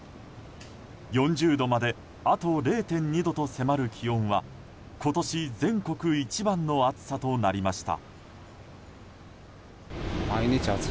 ４０度まであと０．２度と迫る気温は今年全国一番の暑さとなりました。